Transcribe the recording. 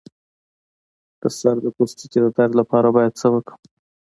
د سر د پوستکي د درد لپاره باید څه وکړم؟